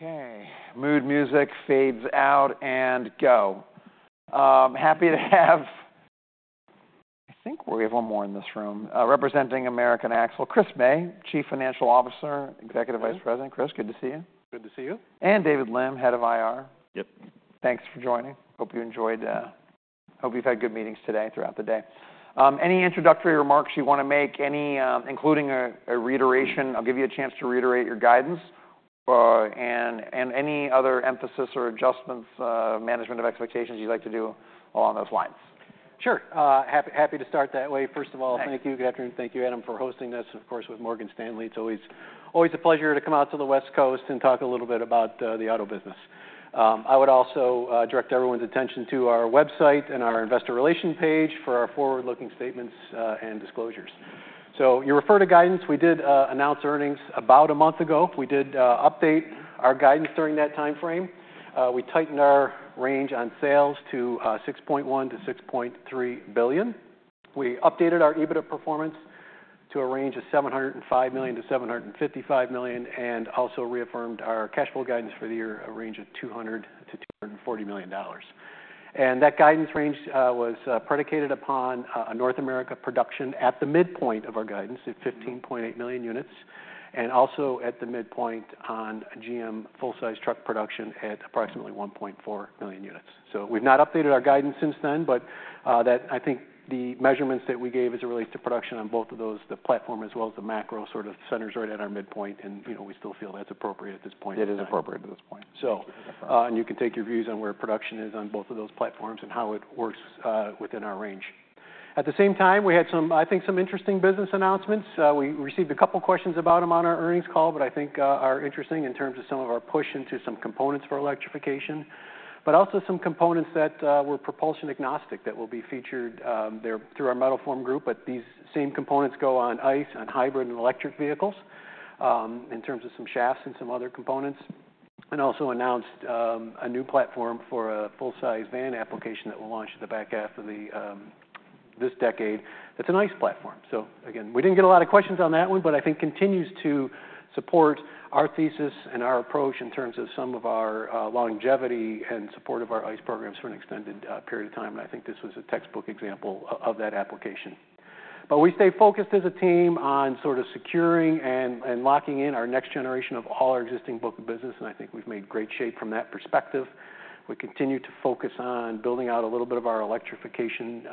Okay, mood music fades out and go. Happy to have. I think we have one more in this room. Representing American Axle, Chris May, Chief Financial Officer, Executive Vice President. Hi. Chris, good to see you. Good to see you. David Lim, Head of IR. Yep. Thanks for joining. Hope you enjoyed, hope you've had good meetings today, throughout the day. Any introductory remarks you wanna make, any, including a reiteration? I'll give you a chance to reiterate your guidance, and any other emphasis or adjustments, management of expectations you'd like to do along those lines. Sure. Happy to start that way. Thanks. First of all, thank you, Catherine, thank you, Adam, for hosting this. Of course, with Morgan Stanley, it's always, always a pleasure to come out to the West Coast and talk a little bit about the auto business. I would also direct everyone's attention to our website and our investor relation page for our forward-looking statements and disclosures. So you refer to guidance. We did announce earnings about a month ago. We did update our guidance during that timeframe. We tightened our range on sales to $6.1-$6.3 billion. We updated our EBITDA performance to a range of $705-$755 million, and also reaffirmed our cash flow guidance for the year, a range of $200-$240 million. And that guidance range was predicated upon North America production at the midpoint of our guidance at 15.8 million units, and also at the midpoint on GM full-size truck production at approximately 1.4 million units. So we've not updated our guidance since then, but that I think the measurements that we gave as it relates to production on both of those, the platform as well as the macro, sort of centers right at our midpoint, and, you know, we still feel that's appropriate at this point in time. It is appropriate at this point. So- And you can take your views on where production is on both of those platforms and how it works within our range. At the same time, we had some, I think, some interesting business announcements. We received a couple questions about them on our earnings call, but I think are interesting in terms of some of our push into some components for electrification, but also some components that were propulsion agnostic that will be featured there through our Metal Forming group. But these same components go on ICE, on hybrid and electric vehicles in terms of some shafts and some other components. And also announced a new platform for a full-size van application that will launch in the back half of this decade. That's a nice platform. So again, we didn't get a lot of questions on that one, but I think continues to support our thesis and our approach in terms of some of our longevity and support of our ICE programs for an extended period of time, and I think this was a textbook example of that application. But we stay focused as a team on sort of securing and locking in our next generation of all our existing book of business, and I think we've made great shape from that perspective. We continue to focus on building out a little bit of our electrification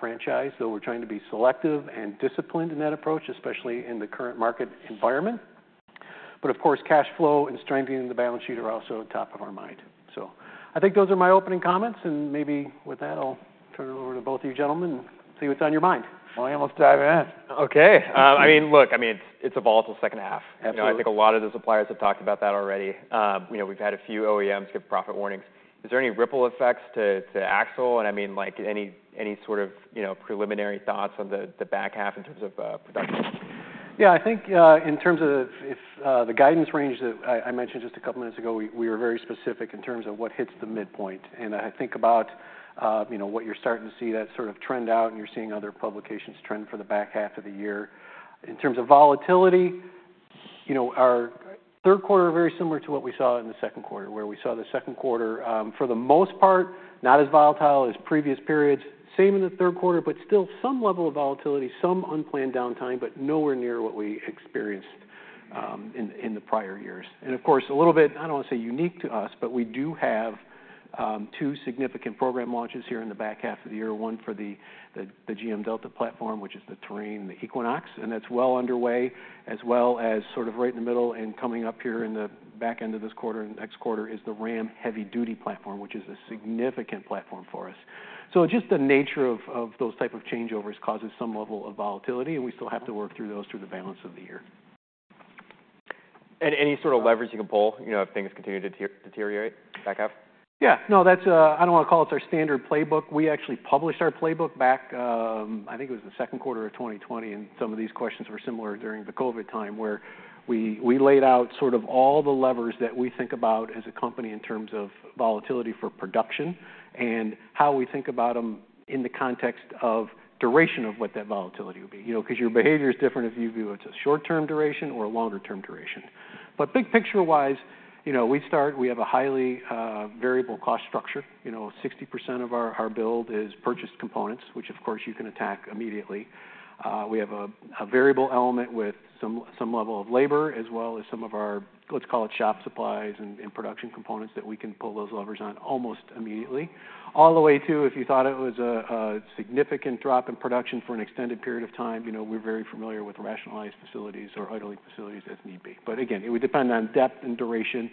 franchise, though we're trying to be selective and disciplined in that approach, especially in the current market environment. But of course, cash flow and strengthening the balance sheet are also top of our mind. So I think those are my opening comments, and maybe with that, I'll turn it over to both of you gentlemen and see what's on your mind. Let's dive in. Okay. I mean, look, I mean, it's a volatile second half. Absolutely. You know, I think a lot of the suppliers have talked about that already. You know, we've had a few OEMs give profit warnings. Is there any ripple effects to Axle? And I mean, like, any sort of, you know, preliminary thoughts on the back half in terms of production? Yeah, I think, in terms of if, the guidance range that I mentioned just a couple minutes ago, we were very specific in terms of what hits the midpoint. And I think about, you know, what you're starting to see that sort of trend out, and you're seeing other publications trend for the back half of the year. In terms of volatility, you know, our third quarter, very similar to what we saw in the second quarter, where we saw the second quarter, for the most part, not as volatile as previous periods. Same in the third quarter, but still some level of volatility, some unplanned downtime, but nowhere near what we experienced, in the prior years. And of course, a little bit, I don't wanna say unique to us, but we do have two significant program launches here in the back half of the year. One for the GM Delta platform, which is the Terrain and the Equinox, and that's well underway, as well as sort of right in the middle and coming up here in the back end of this quarter and next quarter is the Ram Heavy Duty platform, which is a significant platform for us. So just the nature of those type of changeovers causes some level of volatility, and we still have to work through those through the balance of the year. Any sort of leverage you can pull, you know, if things continue to deteriorate back half? Yeah. No, that's, I don't wanna call it our standard playbook. We actually published our playbook back, I think it was the second quarter of 2020, and some of these questions were similar during the COVID time, where we laid out sort of all the levers that we think about as a company in terms of volatility for production, and how we think about them in the context of duration of what that volatility would be. You know, 'cause your behavior is different if you view it's a short-term duration or a longer-term duration. But big picture-wise, you know, we start, we have a highly variable cost structure. You know, 60% of our build is purchased components, which, of course, you can attack immediately. We have a variable element with some level of labor, as well as some of our, let's call it, shop supplies and production components that we can pull those levers on almost immediately. All the way to, if you thought it was a significant drop in production for an extended period of time, you know, we're very familiar with rationalized facilities or idling facilities as need be. But again, it would depend on depth and duration,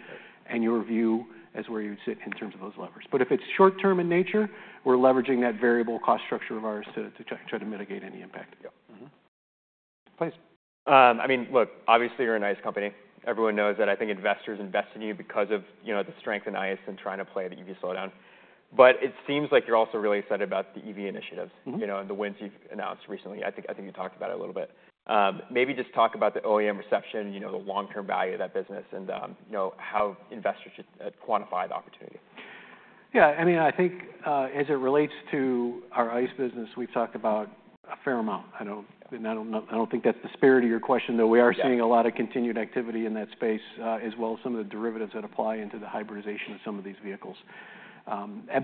and your view as where you'd sit in terms of those levers. But if it's short term in nature, we're leveraging that variable cost structure of ours to try to mitigate any impact. Yep. Mm-hmm. Please. I mean, look, obviously, you're a nice company. Everyone knows that. I think investors invest in you because of, you know, the strength in ICE and trying to play the EV slowdown. But it seems like you're also really excited about the EV initiatives- you know, and the wins you've announced recently. I think you talked about it a little bit. Maybe just talk about the OEM reception, you know, the long-term value of that business, and, you know, how investors should quantify the opportunity. Yeah, I mean, I think, as it relates to our ICE business, we've talked about a fair amount. I don't think that's the spirit of your question, though we are- Yeah seeing a lot of continued activity in that space, as well as some of the derivatives that apply into the hybridization of some of these vehicles,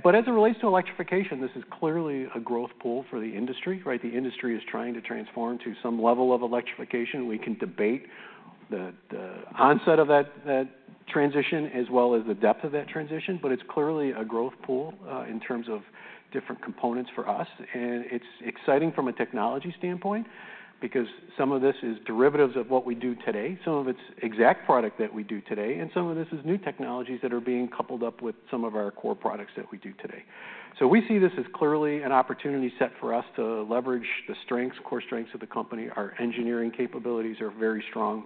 but as it relates to electrification, this is clearly a growth pool for the industry, right? The industry is trying to transform to some level of electrification. We can debate the onset of that transition as well as the depth of that transition, but it's clearly a growth pool in terms of different components for us, and it's exciting from a technology standpoint, because some of this is derivatives of what we do today, some of it's exact product that we do today, and some of this is new technologies that are being coupled up with some of our core products that we do today. So we see this as clearly an opportunity set for us to leverage the strengths, core strengths of the company. Our engineering capabilities are very strong.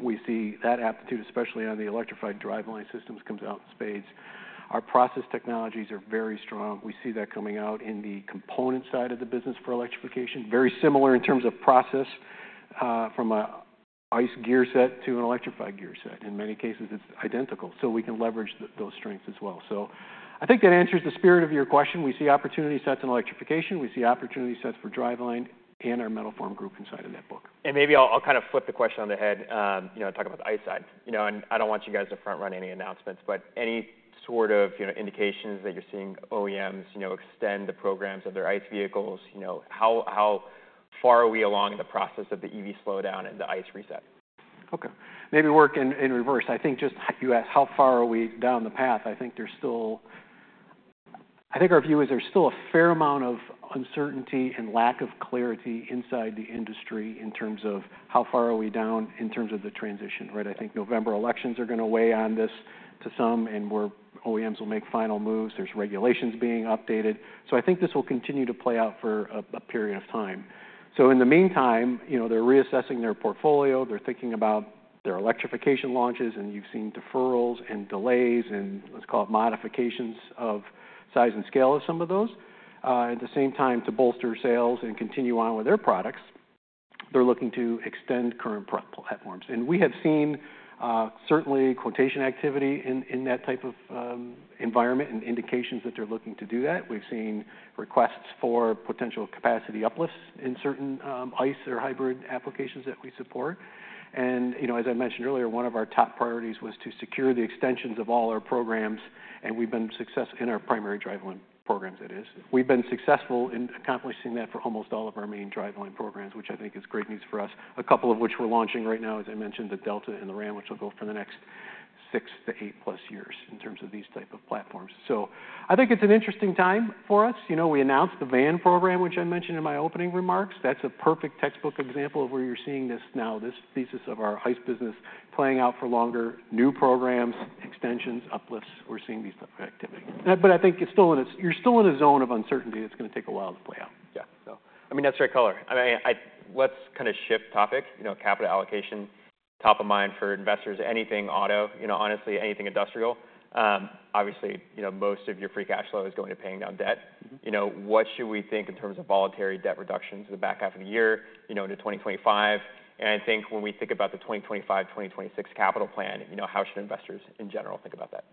We see that aptitude, especially on the electrified driveline systems, comes out in spades. Our process technologies are very strong. We see that coming out in the component side of the business for electrification. Very similar in terms of process, from a ICE gear set to an electrified gear set. In many cases, it's identical, so we can leverage those strengths as well. So I think that answers the spirit of your question. We see opportunity sets in electrification, we see opportunity sets for driveline and our Metal Forming Group inside of that book. Maybe I'll kind of flip the question on its head, you know, talk about the ICE side. You know, and I don't want you guys to front run any announcements, but any sort of, you know, indications that you're seeing OEMs, you know, extend the programs of their ICE vehicles? You know, how far are we along in the process of the EV slowdown and the ICE reset? Okay, maybe work in reverse. I think just you asked, how far are we down the path? I think there's still... I think our view is there's still a fair amount of uncertainty and lack of clarity inside the industry in terms of how far are we down in terms of the transition, right? I think November elections are gonna weigh on this to some, and where OEMs will make final moves. There's regulations being updated, so I think this will continue to play out for a period of time. So in the meantime, you know, they're reassessing their portfolio, they're thinking about their electrification launches, and you've seen deferrals and delays and let's call it modifications of size and scale of some of those. At the same time, to bolster sales and continue on with their products, they're looking to extend current pro platforms. We have seen certainly quotation activity in that type of environment and indications that they're looking to do that. We've seen requests for potential capacity uplifts in certain ICE or hybrid applications that we support. You know, as I mentioned earlier, one of our top priorities was to secure the extensions of all our programs, and we've been successful in our primary driveline programs, that is. We've been successful in accomplishing that for almost all of our main driveline programs, which I think is great news for us, a couple of which we're launching right now, as I mentioned, the Delta and the Ram, which will go for the next six to eight-plus years in terms of these type of platforms. I think it's an interesting time for us. You know, we announced the van program, which I mentioned in my opening remarks. That's a perfect textbook example of where you're seeing this now, this thesis of our ICE business playing out for longer, new programs, extensions, uplifts. We're seeing these type of activity. But I think you're still in a zone of uncertainty that's gonna take a while to play out. Yeah. So. I mean, that's fair color. I mean, let's kind of shift topic. You know, capital allocation, top of mind for investors, anything auto, you know, honestly, anything industrial. Obviously, you know, most of your free cash flow is going to paying down debt. Mm-hmm. You know, what should we think in terms of voluntary debt reductions in the back half of the year, you know, into 2025? And I think when we think about the 2025, 2026 capital plan, you know, how should investors in general think about that?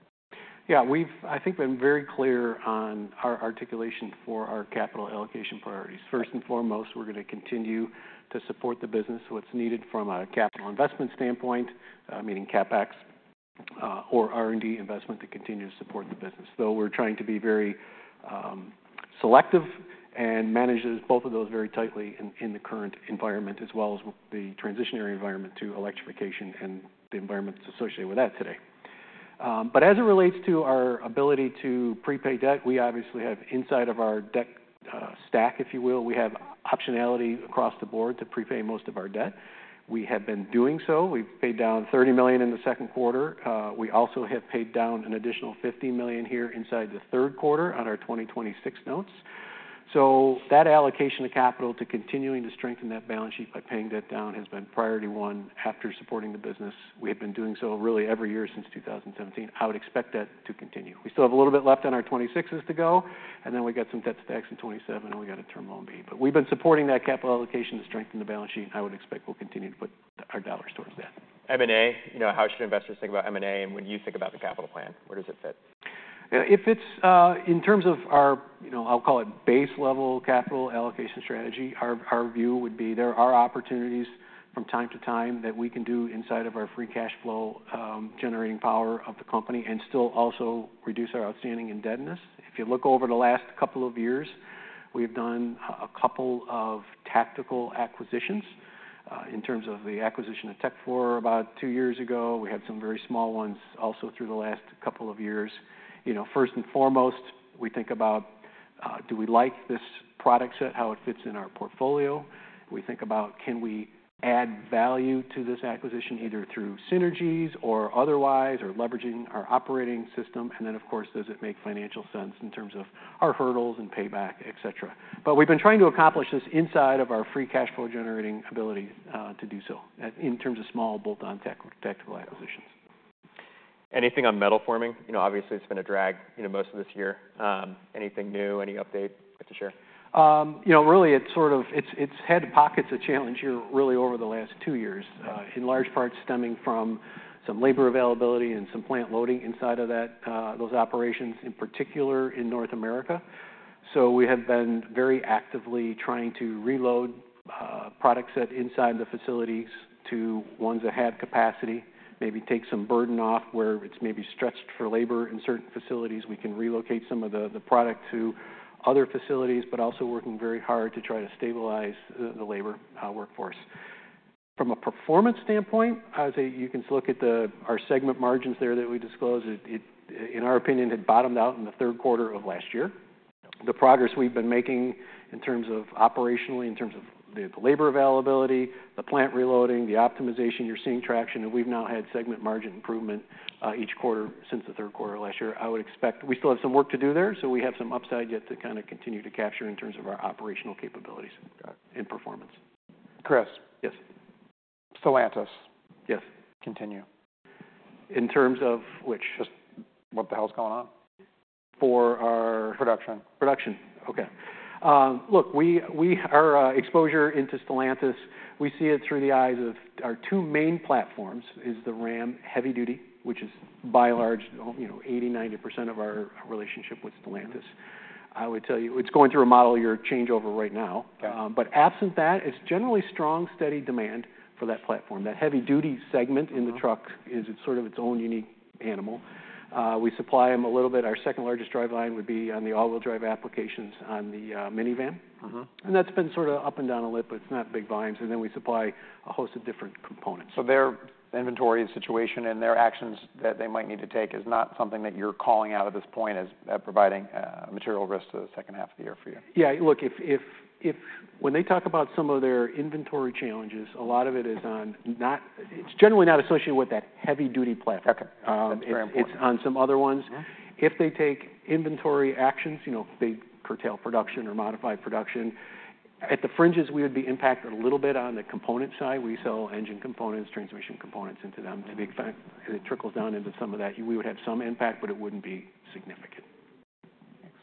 Yeah, we've, I think, been very clear on our articulation for our capital allocation priorities. Yeah. First and foremost, we're gonna continue to support the business, what's needed from a capital investment standpoint, meaning CapEx, or R&D investment to continue to support the business, though we're trying to be very selective and manage those, both of those very tightly in the current environment, as well as the transitional environment to electrification and the environments associated with that today. But as it relates to our ability to prepay debt, we obviously have inside of our debt stack, if you will, we have optionality across the board to prepay most of our debt. We have been doing so. We've paid down $30 million in the second quarter. We also have paid down an additional $50 million here inside the third quarter on our 2026 notes. So that allocation of capital to continuing to strengthen that balance sheet by paying debt down has been priority one after supporting the business. We have been doing so really every year since 2017. I would expect that to continue. We still have a little bit left on our 2026s to go, and then we've got some debt stacks in 2027, and we got a Term Loan B. But we've been supporting that capital allocation to strengthen the balance sheet, and I would expect we'll continue to put our dollars towards that. M&A, you know, how should investors think about M&A, and when you think about the capital plan, where does it fit? If it's in terms of our, you know, I'll call it base level capital allocation strategy, our view would be there are opportunities from time to time that we can do inside of our free cash flow generating power of the company, and still also reduce our outstanding indebtedness. If you look over the last couple of years, we've done a couple of tactical acquisitions. In terms of the acquisition of Tekfor about two years ago, we had some very small ones also through the last couple of years. You know, first and foremost, we think about do we like this product set, how it fits in our portfolio? We think about can we add value to this acquisition, either through synergies or otherwise, or leveraging our operating system? And then, of course, does it make financial sense in terms of our hurdles and payback, et cetera? But we've been trying to accomplish this inside of our free cash flow-generating ability, to do so, in terms of small bolt-on tactical acquisitions. Anything on Metal Forming? You know, obviously, it's been a drag, you know, most of this year. Anything new? Any update you'd like to share? You know, really, it's sort of, it's had pockets of challenge here, really over the last two years- Yeah in large part stemming from some labor availability and some plant loading inside of that, those operations, in particular in North America. So we have been very actively trying to reload, products that inside the facilities to ones that have capacity, maybe take some burden off where it's maybe stretched for labor. In certain facilities, we can relocate some of the product to other facilities, but also working very hard to try to stabilize the labor workforce. From a performance standpoint, I would say you can look at our segment margins there that we disclosed. It, in our opinion, had bottomed out in the third quarter of last year. The progress we've been making in terms of operationally, in terms of the labor availability, the plant reloading, the optimization, you're seeing traction, and we've now had segment margin improvement each quarter since the third quarter of last year. I would expect we still have some work to do there, so we have some upside yet to kind of continue to capture in terms of our operational capabilities, and performance. Chris? Yes. Stellantis. Yes. Continue. In terms of which? Just what the hell is going on? For our- Production. Production. Okay. Look, our exposure into Stellantis, we see it through the eyes of our two main platforms, is the Ram Heavy Duty, which is by and large, you know, 80%-90% of our relationship with Stellantis. I would tell you, it's going through a model year changeover right now. Yeah. but absent that, it's generally strong, steady demand for that platform. That heavy duty segment- Mm-hmm. -in the truck is sort of its own unique animal. We supply them a little bit. Our second largest driveline would be on the all-wheel drive applications on the minivan. Mm-hmm. And that's been sort of up and down a little, but it's not big volumes. And then we supply a host of different components. So their inventory and situation, and their actions that they might need to take is not something that you're calling out at this point as providing material risk to the second half of the year for you? Yeah, look, when they talk about some of their inventory challenges, a lot of it is on not. It's generally not associated with that heavy-duty platform. Okay. That's very important. It's on some other ones. Yeah. If they take inventory actions, you know, if they curtail production or modify production, at the fringes, we would be impacted a little bit on the component side. We sell engine components, transmission components into them. To the extent that it trickles down into some of that, we would have some impact, but it wouldn't be significant. Thanks.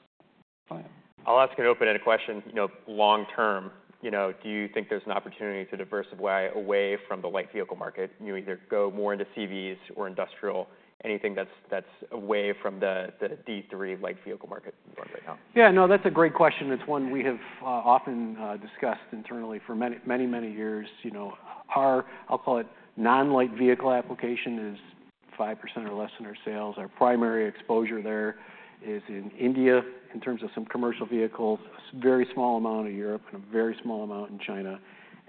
Brian? I'll ask an open-ended question. You know, long term, you know, do you think there's an opportunity to diversify away from the light vehicle market? You either go more into CVs or industrial, anything that's away from the Big 3 light vehicle market right now. Yeah, no, that's a great question. It's one we have often discussed internally for many, many, many years. You know, our, I'll call it, non-light vehicle application is 5% or less in our sales. Our primary exposure there is in India, in terms of some commercial vehicles, a very small amount in Europe, and a very small amount in China,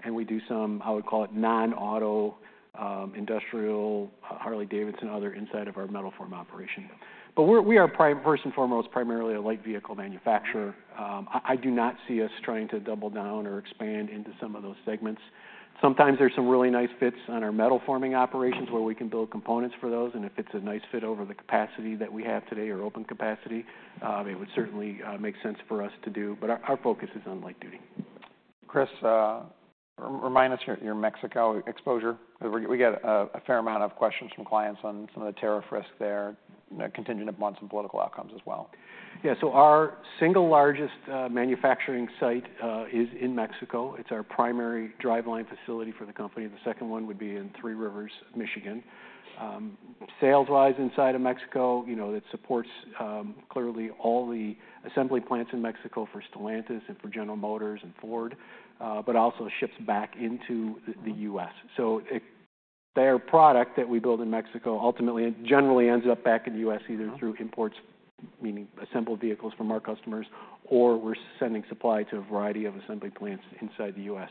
and we do some, I would call it, non-auto, industrial, Harley-Davidson, other inside of our Metal Forming operation. But we're, we are first and foremost, primarily a light vehicle manufacturer. Mm-hmm. I do not see us trying to double down or expand into some of those segments. Sometimes there's some really nice fits on our Metal Forming operations where we can build components for those, and if it's a nice fit over the capacity that we have today or open capacity, it would certainly make sense for us to do, but our focus is on light duty. Chris, remind us your Mexico exposure. We get a fair amount of questions from clients on some of the tariff risk there, contingent upon some political outcomes as well. Yeah, so our single largest manufacturing site is in Mexico. It's our primary driveline facility for the company, and the second one would be in Three Rivers, Michigan. Saleswise, inside of Mexico, you know, it supports clearly all the assembly plants in Mexico for Stellantis and for General Motors and Ford, but also ships back into the U.S.. So their product that we build in Mexico ultimately and generally ends up back in the U.S.- Mm-hmm. Either through imports, meaning assembled vehicles from our customers, or we're sending supply to a variety of assembly plants inside the U.S.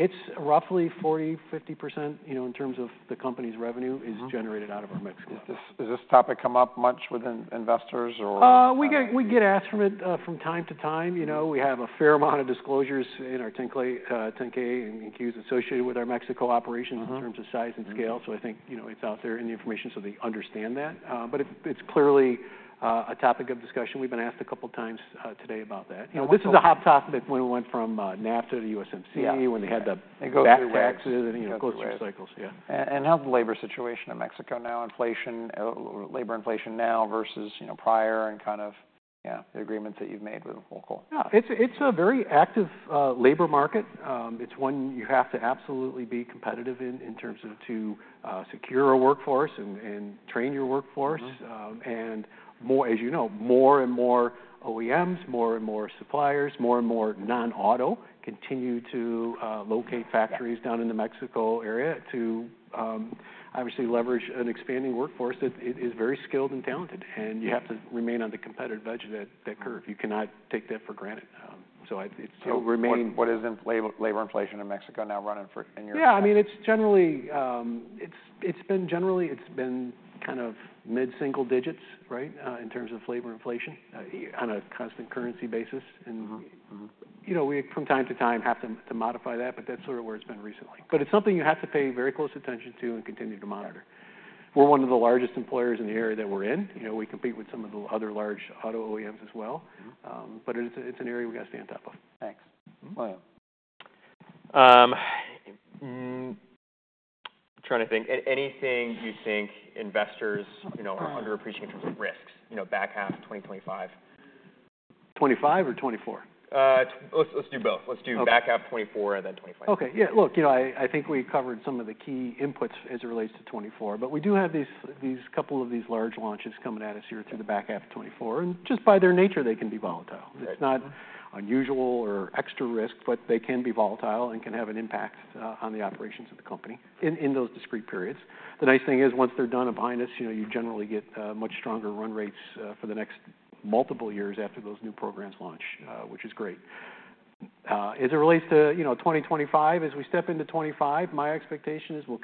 It's roughly 40-50%, you know, in terms of the company's revenue. Mm-hmm. is generated out of our Mexico. Does this topic come up much with investors or? We get asked about it from time to time. Mm-hmm. You know, we have a fair amount of disclosures in our 10-K and 10-Qs associated with our Mexico operations. Mm-hmm. in terms of size and scale. Mm-hmm. So I think, you know, it's out there in the information, so they understand that. But it's clearly a topic of discussion. We've been asked a couple times today about that. Okay. You know, this is a hot topic when we went from NAFTA to the USMCA- Yeah. When they had the back taxes and, you know, closer cycles. Yeah. And how's the labor situation in Mexico now? Inflation, labor inflation now versus, you know, prior and kind of, yeah, the agreements that you've made with the local? Yeah, it's a very active labor market. It's one you have to absolutely be competitive in, in terms of to secure a workforce and train your workforce. Mm-hmm. And more, as you know, more and more OEMs, more and more suppliers, more and more non-auto continue to locate factories- Yeah down in the Mexico area to obviously leverage an expanding workforce that it is very skilled and talented, and you have to remain on the competitive edge of that curve. You cannot take that for granted. What is labor inflation in Mexico now running for in your? Yeah, I mean, it's generally been kind of mid-single digits, right, in terms of labor inflation, on a constant currency basis. Mm-hmm. Mm-hmm. You know, we, from time to time, have to modify that, but that's sort of where it's been recently. But it's something you have to pay very close attention to and continue to monitor. We're one of the largest employers in the area that we're in. You know, we compete with some of the other large auto OEMs as well. Mm-hmm. But it's an area we've got to stay on top of. Thanks. Brian? I'm trying to think. Anything you think investors, you know, are underappreciating in terms of risks, you know, back half of 2025? 2025 or 2024? Let's do both. Okay. Let's do back half 2024, and then 2025. Okay, yeah. Look, you know, I think we covered some of the key inputs as it relates to 2024, but we do have these couple of these large launches coming at us here through the back half of 2024, and just by their nature, they can be volatile. Right. It's not unusual or extra risk, but they can be volatile and can have an impact on the operations of the company in those discrete periods. The nice thing is, once they're done and behind us, you know, you generally get much stronger run rates for the next multiple years after those new programs launch, which is great. As it relates to, you know, 2025, as we step into 2025, my expectation is we'll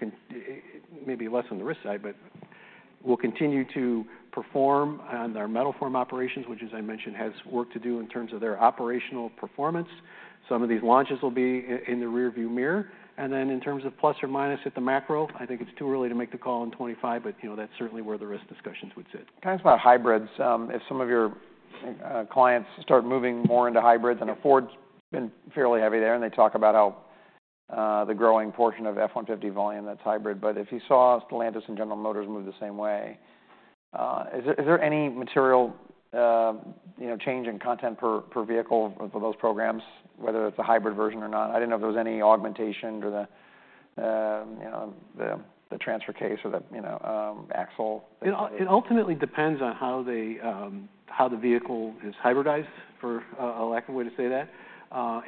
maybe less on the risk side, but we'll continue to perform on our Metal Forming operations, which, as I mentioned, has work to do in terms of their operational performance. Some of these launches will be in the rearview mirror, and then in terms of plus or minus at the macro, I think it's too early to make the call on 2025, but, you know, that's certainly where the risk discussions would sit. Talk to us about hybrids. If some of your clients start moving more into hybrids, and I know Ford's been fairly heavy there, and they talk about how the growing portion of F-150 volume, that's hybrid, but if you saw Stellantis and General Motors move the same way, is there any material, you know, change in content per vehicle for those programs, whether it's a hybrid version or not? I didn't know if there was any augmentation to the, you know, the transfer case or the, you know, axle? It ultimately depends on how the vehicle is hybridized, for a lack of way to say that.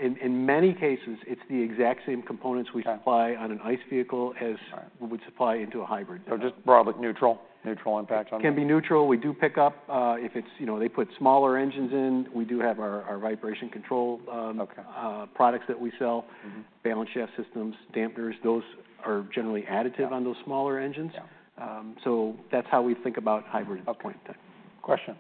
In many cases, it's the exact same components- Okay we supply on an ICE vehicle as- All right We would supply into a hybrid. So just broadly neutral? Neutral impact on- Can be neutral. We do pick up, if it's, you know, they put smaller engines in, we do have our vibration control. Okay products that we sell. Mm-hmm. Balance shaft systems, dampers, those are generally additive- Yeah on those smaller engines. Yeah. So that's how we think about hybrids. Okay. Question?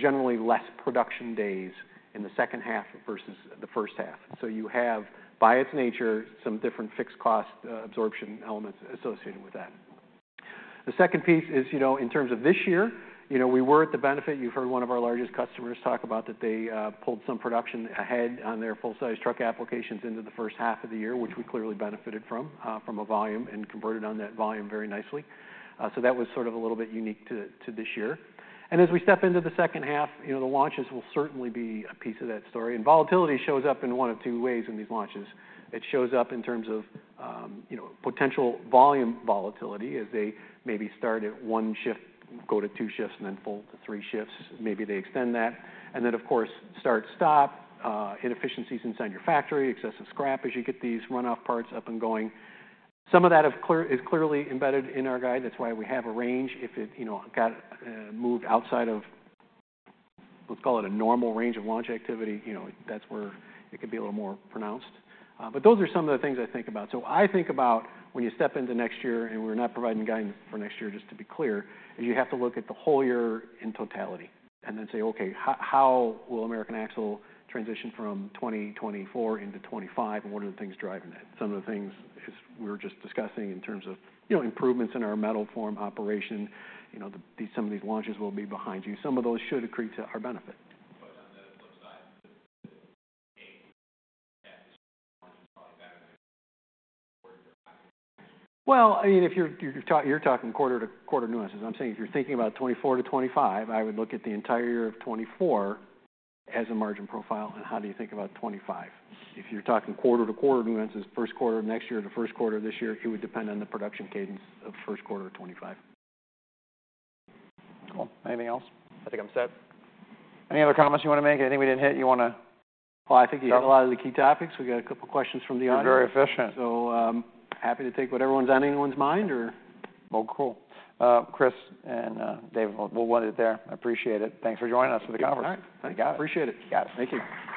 generally less production days in the second half versus the first half. So you have, by its nature, some different fixed cost absorption elements associated with that. The second piece is, you know, in terms of this year, you know, we were at the benefit. You've heard one of our largest customers talk about that they pulled some production ahead on their full-size truck applications into the first half of the year, which we clearly benefited from a volume and converted on that volume very nicely, so that was sort of a little bit unique to this year, and as we step into the second half, you know, the launches will certainly be a piece of that story, and volatility shows up in one of two ways in these launches. It shows up in terms of you know, potential volume volatility, as they maybe start at one shift, go to two shifts, and then full to three shifts. Maybe they extend that, and then, of course, start, stop inefficiencies inside your factory, excessive scrap as you get these runoff parts up and going. Some of that is clearly embedded in our guide. That's why we have a range. If it, you know, got moved outside of, let's call it a normal range of launch activity, you know, that's where it could be a little more pronounced. But those are some of the things I think about. So I think about when you step into next year, and we're not providing guidance for next year, just to be clear, is you have to look at the whole year in totality and then say: Okay, how will American Axle transition from 2024 into 2025, and what are the things driving that? Some of the things, as we were just discussing in terms of, you know, improvements in our Metal Forming operation, you know, these some of these launches will be behind you. Some of those should accrete to our benefit. But on the flip side, the... I mean, if you're talking quarter-to-quarter nuances. I'm saying if you're thinking about 2024 to 2025, I would look at the entire year of 2024 as a margin profile, and how do you think about 2025? If you're talking quarter-to-quarter nuances, first quarter of next year to first quarter of this year, it would depend on the production cadence of first quarter of 2025. Cool. Anything else? I think I'm set. Any other comments you wanna make? Anything we didn't hit you wanna- I think you hit a lot of the key topics. We got a couple questions from the audience. You're very efficient. Happy to take what's on anyone's mind or- Cool. Chris and David, we'll wind it there. I appreciate it. Thanks for joining us for the conversation. All right. You got it. Appreciate it. You got it. Thank you.